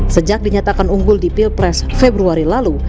sejak dinyatakan unggul di pilpres februari lalu